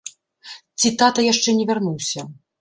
Ці тата яшчэ не вярнуўся?